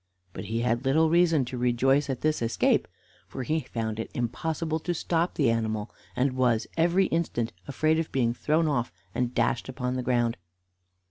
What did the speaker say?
But he had little reason to rejoice at this escape, for he found it impossible to stop the animal, and was every instant afraid of being thrown off and dashed upon the ground.